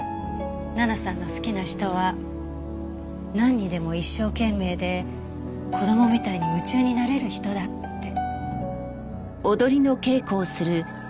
奈々さんの好きな人はなんにでも一生懸命で子供みたいに夢中になれる人だって。